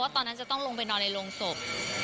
ตอนนั้นจะต้องลงไปนอนในโรงศพ